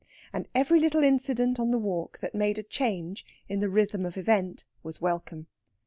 And every little incident on the walk that made a change in the rhythm of event was welcome.